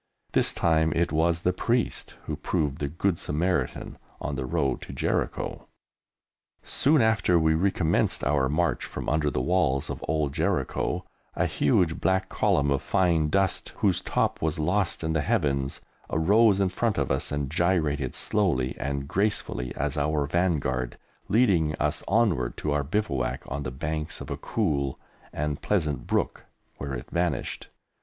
This time it was the Priest who proved the Good Samaritan on the road to Jericho. Soon after we recommenced our march from under the walls of old Jericho a huge black column of fine dust, whose top was lost in the Heavens, arose in front of us and gyrated slowly and gracefully as our vanguard, leading us onward to our bivouac on the banks of a cool and pleasant brook, where it vanished.